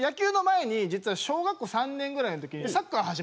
実は小学校３年ぐらいの時に。